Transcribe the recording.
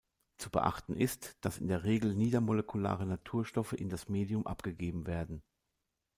Zu beachten ist, dass in der Regel niedermolekulare Naturstoffe in das Medium abgegeben werden.